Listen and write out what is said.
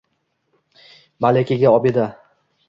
Malikaga obida.